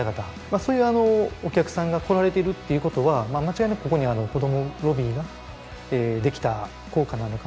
そういうお客さんが来られているっていう事は間違いなくここに子どもＬＯＢＢＹができた効果なのかな。